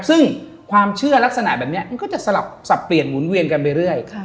ซึ่งความเชื่อลักษณะแบบนี้มันก็จะสลับสับเปลี่ยนหมุนเวียนกันไปเรื่อย